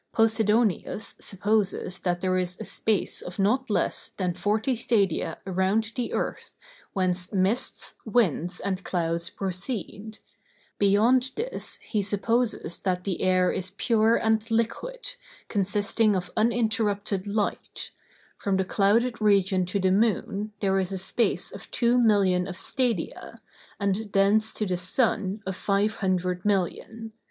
Posidonius supposes that there is a space of not less than forty stadia around the earth, whence mists, winds and clouds proceed; beyond this he supposes that the air is pure and liquid, consisting of uninterrupted light; from the clouded region to the moon there is a space of two million of stadia, and thence to the sun of five hundred million.